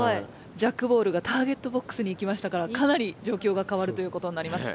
ジャックボールがターゲットボックスに行きましたからかなりじょうきょうがかわるということになります。